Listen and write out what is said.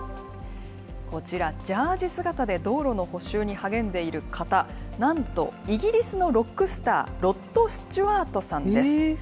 こちら、ジャージ姿で道路の補修に励んでいる方、なんとイギリスのロックスター、ロッド・スチュワートさんです。